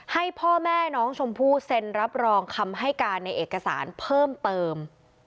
ให้พ่อแม่น้องชมพู่เซ็นรับรองคำให้การในเอกสารเพิ่มเติม